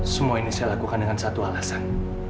semua ini saya lakukan dengan satu alasan